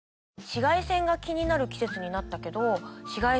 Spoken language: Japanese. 紫外線が気になる季節になったけど。